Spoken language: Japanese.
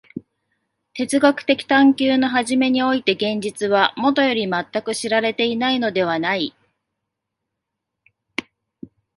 哲学的探求の初めにおいて現実はもとより全く知られていないのではない。